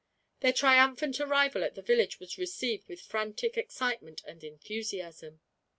Their triumphant arrival at the village was received with frantic excitement and enthusiasm.